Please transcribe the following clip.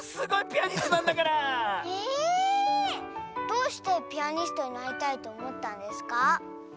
どうしてピアニストになりたいとおもったんですか？